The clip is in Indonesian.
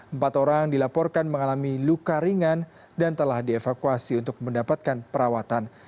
empat orang dilaporkan mengalami luka ringan dan telah dievakuasi untuk mendapatkan perawatan